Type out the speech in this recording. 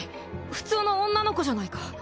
普通の女の子じゃないか。